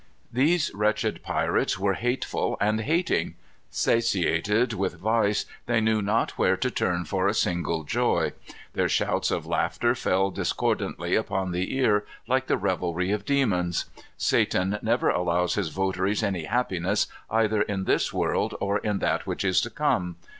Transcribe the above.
These wretched pirates were hateful and hating. Satiated with vice, they knew not where to turn for a single joy. Their shouts of laughter fell discordantly upon the ear like the revelry of demons. Satan never allows his votaries any happiness either in this world or in that which is to come.